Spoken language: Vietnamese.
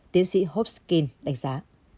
tiến sĩ hawking đánh giá